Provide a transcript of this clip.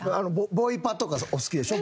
ボイパとかお好きでしょ？